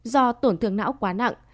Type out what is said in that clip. do tổn thương não quá nặng